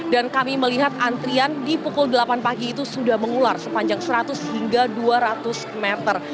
dan kami melihat antrian di pukul delapan pagi itu sudah mengular sepanjang seratus hingga dua ratus meter